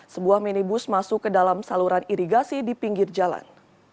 sebuah minibus masuk ke dalam saluran irigasi di pinggir jalan